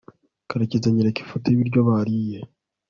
karekezi anyereka ifoto y'ibiryo bariye